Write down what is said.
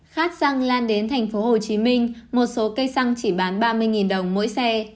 khát xăng lan đến thành phố hồ chí minh một số cây xăng chỉ bán ba mươi đồng mỗi xe